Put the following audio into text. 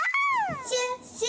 シュッシュ！